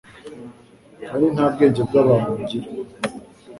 kandi nta bwenge bw’abantu ngira